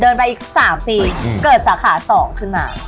เดินไปอีก๓ปีเกิดสาขา๒ขึ้นมา